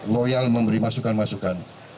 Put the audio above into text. loyal memberi masukan masukan